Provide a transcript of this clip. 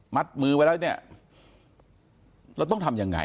มือไว้แล้วเนี่ยเราต้องทำยังไง